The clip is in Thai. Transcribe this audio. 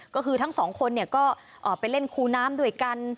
ก็คือทั้งสองคนก็ไปเล่นคูน้ำด้วยกัน